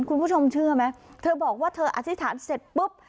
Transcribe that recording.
คุณผู้ชมเชื่อไหมเธอบอกว่าเธออธิษฐานเสร็จปุ๊บ